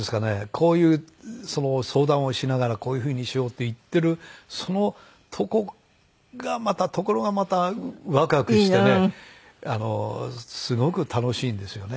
こういう相談をしながらこういう風にしようって言ってるそのところがまたワクワクしてねすごく楽しいんですよね。